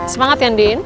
semangat ya din